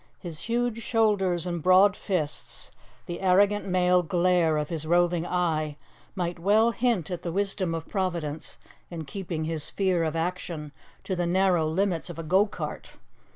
His huge shoulders and broad fists, the arrogant male glare of his roving eye, might well hint at the wisdom of providence in keeping his sphere of action to the narrow limits of a go cart.